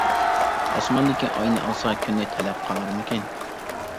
ئاسماندىكى ئاينى ئالسا، كۈننى تەلەپ قالارمىكىن.